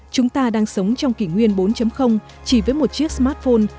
chúng ta đang sống trong kỷ nguyên bốn chỉ với một chiếc smartphone